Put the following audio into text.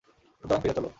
সুতরাং ফিরে চল।